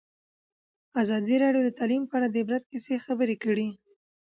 ازادي راډیو د تعلیم په اړه د عبرت کیسې خبر کړي.